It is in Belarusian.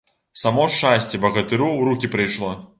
Само шчасце багатыру ў рукі прыйшло.